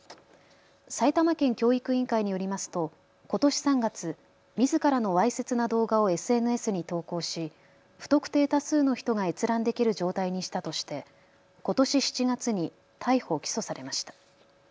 埼玉県教育委員会によりますとことし３月、みずからのわいせつな動画をＳＮＳに投稿し不特定多数の人が閲覧できる状態にしたとしてことし７月に逮捕・起訴されました。